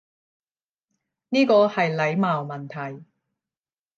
呢個係禮貌問題